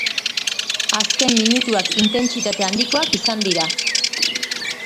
Azken minutuak intentsitate handikoak izan dira.